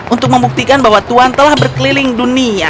untuk membuktikan bahwa tuhan telah berkeliling dunia